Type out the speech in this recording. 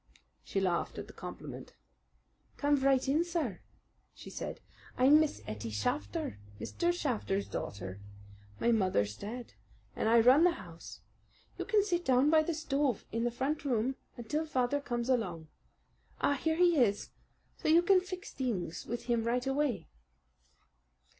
She laughed at the compliment. "Come right in, sir," she said. "I'm Miss Ettie Shafter, Mr. Shafter's daughter. My mother's dead, and I run the house. You can sit down by the stove in the front room until father comes along Ah, here he is! So you can fix things with him right away."